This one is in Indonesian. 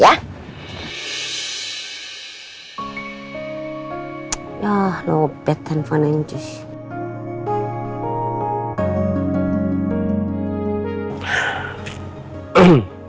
yah nobete handphonenya sus